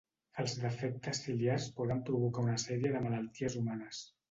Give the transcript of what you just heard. Els defectes ciliars poden provocar una sèrie de malalties humanes.